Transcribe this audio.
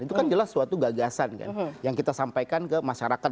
itu kan jelas suatu gagasan kan yang kita sampaikan ke masyarakat